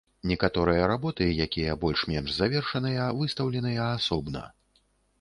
Некаторыя работы, якія больш-менш завершаныя, выстаўленыя асобна.